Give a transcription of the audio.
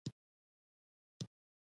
یوه تن خپل ملګري ته اشاره وکړه.